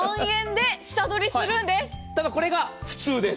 ただ、これが普通です。